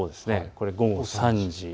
これは午後３時。